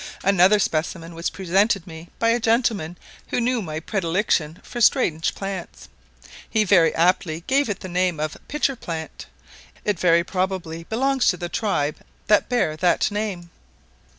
Another specimen was presented me by a gentleman who knew my predilection for strange plants; he very aptly gave it the name of "Pitcher plant;" it very probably belongs to the tribe that bear that name.